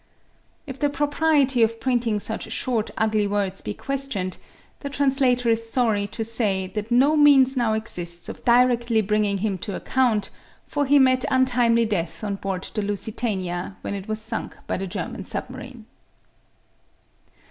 If the propriety of printing such short ugly words be questioned, the translator is sorry to say that no means now exists of directly bringing him to account for he met untimely death on board the Lusitania when it was sunk by the German submarine.